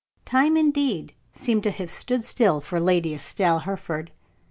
Time, indeed, seemed to have stood still for Lady Estelle Hereford.